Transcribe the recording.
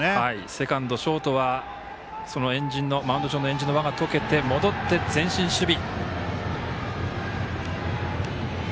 セカンド、ショートはそのマウンド上の円陣の輪が解けて、戻って前進守備。